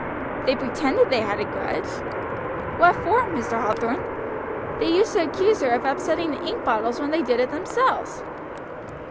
"They pretended they had a grudge." "What for, Mr. Hathorn?" "They used to accuse her of upsetting the ink bottles when they did it themselves."